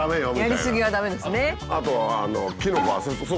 やり過ぎは駄目ですね。